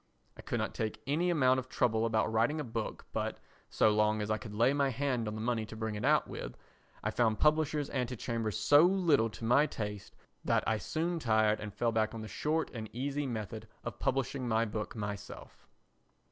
I could take any amount of trouble about writing a book but, so long as I could lay my hand on the money to bring it out with, I found publishers' antechambers so little to my taste that I soon tired and fell back on the short and easy method of publishing my book myself.